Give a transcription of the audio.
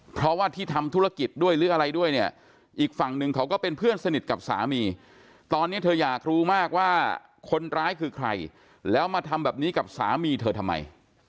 เพราะว่าที่ทำธุรกิจด้วยหรืออะไรด้วยเนี่ยอีกฝั่งหนึ่งเขาก็เป็นเพื่อนสนิทกับสามีตอนนี้เธออยากรู้มากว่าคนร้ายคือใครแล้วมาทำแบบนี้กับสามีเธอทำไม